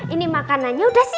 ini makanannya udah selesai